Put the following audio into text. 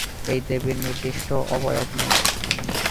এই দেবীর নির্দিষ্ট অবয়ব নেই।